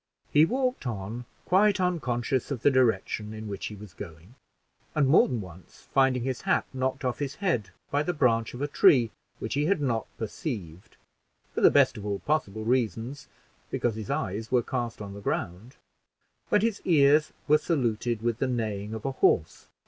He walked on, quite unconscious of the direction in which he was going, and more than once finding his hat knocked off by the branch of a tree which he had not perceived for the best of all possible reasons, because his eyes were cast on the ground when his ears were saluted with the neighing of a horse.